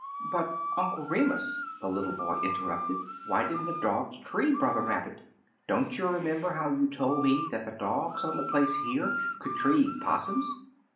"But, Uncle Remus," the little boy interrupted, "why didn't the dogs tree 63 Uncle Remus Returns Brother Rabbit ? Don't you remember how you told me that the dogs on the place here could tree 'possums